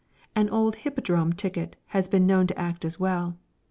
An old Hippodrome ticket has been known to act as well.